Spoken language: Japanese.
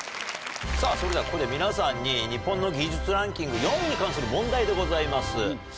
さぁそれではここで皆さんに日本の技術ランキング４位に関する問題でございます。